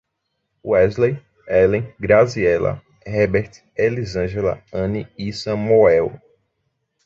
Wesley, Ellen, Graziela, Hebert, Elisângela, Ane e Samoel